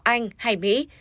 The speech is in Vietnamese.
anh hay mỹ